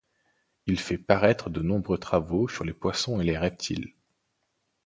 Il fait paraître de nombreux travaux sur les poissons et les reptiles.